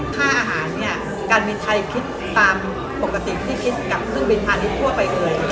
ค่าอาหารเนี่ยการบินไทยคิดตามปกติที่คิดกับเครื่องบินพาณิชย์ทั่วไปเลย